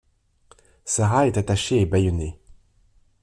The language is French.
Sarah est attachée et bâillonnée.